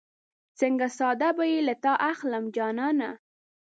څنګه ساه به بې له تا اخلم جانانه